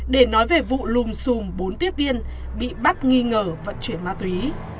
để nói về vụ lùm xùm bốn tiếp viên bị bắt nghi ngờ vận chuyển ma túy